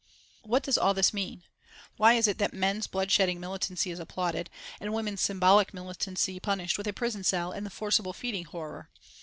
What does all this mean? Why is it that men's blood shedding militancy is applauded and women's symbolic militancy punished with a prison cell and the forcible feeding horror?